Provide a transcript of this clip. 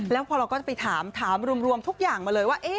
แล้วพอเราก็จะไปถามถามรวมทุกอย่างมาเลยว่า